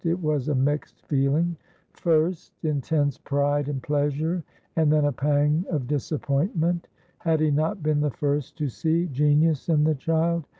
It was a mixed feeling,—first, intense pride and pleasure, and then a pang of disappointment. Had he not been the first to see genius in the child?